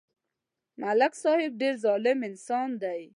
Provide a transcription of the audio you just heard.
ملک صاحب ډېر ظالم انسان دی